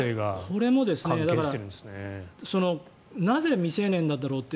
これもなぜ、未成年なんだろうと。